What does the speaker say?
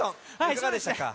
いかがでしたか？